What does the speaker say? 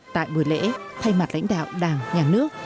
tại buổi lễ thay mặt lãnh đạo đảng nhà nước